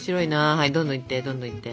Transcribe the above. はいどんどんいってどんどんいって。